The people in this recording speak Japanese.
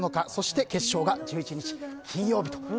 そして決勝が１１日金曜日と。